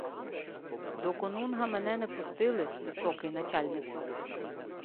— До конунга мене не пустили, високий начальнику.